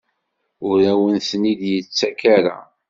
Ur awen-ten-id-yettak ara?